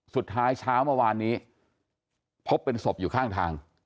เช้าเมื่อวานนี้พบเป็นศพอยู่ข้างทาง